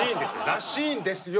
らしいんですよ